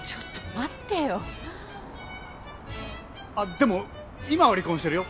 あっでも今は離婚してるよ。